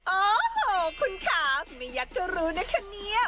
โอ้โหคุณค่ะไม่อยากจะรู้นะคะเนี่ย